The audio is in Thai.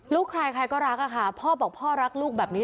ลูกใครใครก็รักอะค่ะพ่อบอกพ่อรักลูกแบบนี้